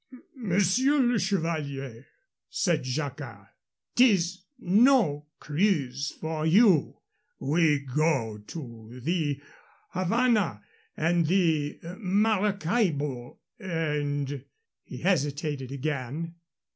"Monsieur le Chevalier," said Jacquard, "'tis no cruise for you. We go to the Havana and Maracaibo and " He hesitated again.